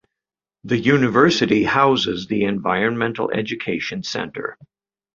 The University houses the Environmental Education Center.